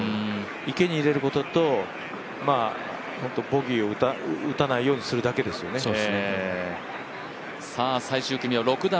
池に入れることと、ボギーを打たないようにするだけですね。